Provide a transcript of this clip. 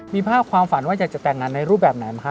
มีภาพความฝันว่าอยากจะแต่งงานในรูปแบบไหนบ้างครับ